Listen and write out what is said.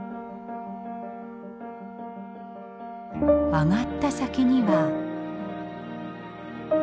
上がった先には。